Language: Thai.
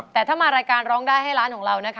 แต่ถ้ามารายการร้องได้ให้ร้านของเรานะคะ